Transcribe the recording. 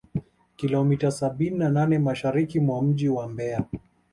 kilomita sabini na nane Mashariki mwa mji wa Mbeya